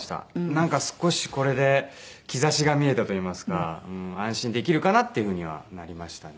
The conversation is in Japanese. なんか少しこれで兆しが見えたといいますか安心できるかなっていうふうにはなりましたね。